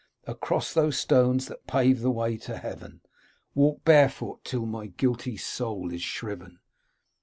Across those stones that pave the way to heaven Walk barefoot, till my guilty soul is shriven